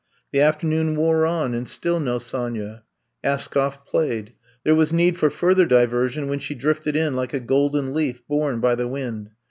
The afternoon wore on and still no Sonya. Askoflf played. There was need for further diversion when she drifted in like a golden leaf borne by the wind.